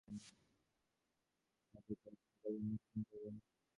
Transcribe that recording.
সাহেব অবাক হয়ে বললেন, আমার সঙ্গে যাবেন!